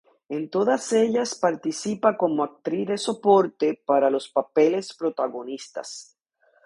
En todas ellas participa como actriz de soporte para los papeles protagonistas.